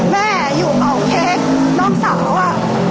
แม่อยู่เป่าเค้กน้องสาวอะ